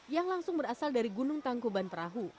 yang langsung berasal dari gunung tangkuban perahu